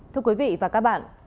thưa quý vị và các bạn